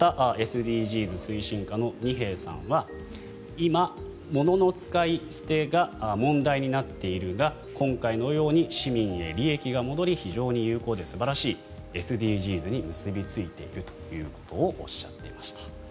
また、ＳＤＧｓ推進課の二瓶さんは今、物の使い捨てが問題になっているが今回のように市民へ利益が戻り非常に有効で素晴らしいＳＤＧｓに結びついているということをおっしゃっていました。